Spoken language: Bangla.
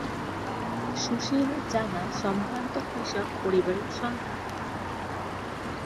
সুশীল জানা সম্ভ্রান্ত কৃষক পরিবারের সন্তান।